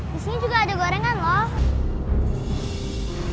disini juga ada gorengan loh